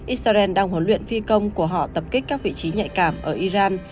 israel đang huấn luyện phi công của họ tập kích các vị trí nhạy cảm ở iran